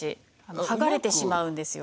剥がれてしまうんですよ。